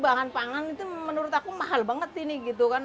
bahan pangan itu menurut aku mahal banget ini gitu kan